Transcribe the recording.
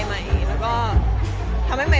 ก็ทุกคนก็ส่งมา